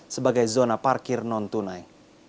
sebagai zona parkir non tunai